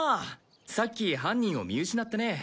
さっき犯人を見失ってね。